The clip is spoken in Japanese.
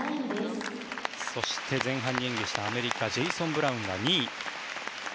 そして前半に演技した、アメリカジェイソン・ブラウンが２位。